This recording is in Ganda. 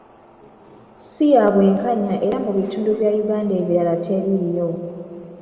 Si ya bwenkanya era mu bitundu bya Uganda ebirala teriiyo.